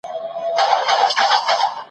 هغه ټولنه چي عصبیت لري قوي ده.